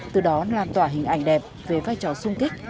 từ đó lan tỏa hình ảnh đẹp về vai trò sung kích